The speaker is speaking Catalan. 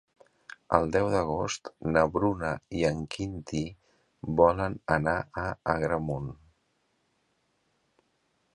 El deu d'agost na Bruna i en Quintí volen anar a Agramunt.